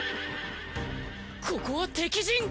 ここは敵陣！